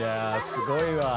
すごいわ。